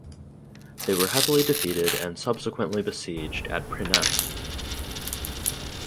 They were heavily defeated and subsequently besieged at Praeneste.